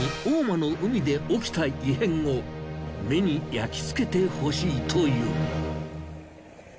大間の海で起きた異変を目に焼き付けてほしいという。